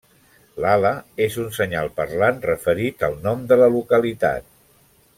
L'ala és un senyal parlant referit al nom de la localitat.